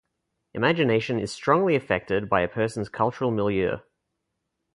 Imagination is strongly affected by a person's cultural milieu.